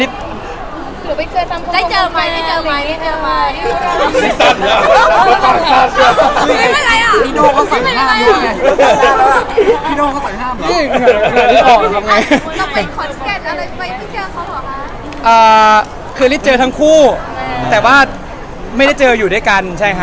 พี่เห็นไอ้เทรดเลิศเราทำไมวะไม่ลืมแล้ว